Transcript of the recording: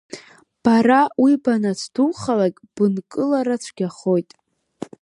Бара уи банацәдухалак, бынкылара цәгьахоит.